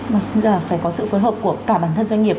bây giờ phải có sự phối hợp của cả bản thân doanh nghiệp